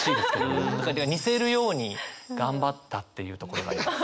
似せるように頑張ったっていうところがあります。